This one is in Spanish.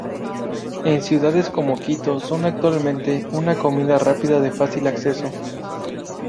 En ciudades como Quito son, actualmente, una comida rápida de fácil acceso.